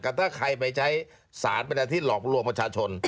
แต่ถ้าใครไปใช้สารเป็นอาทิตยหลอกลวงประชาชน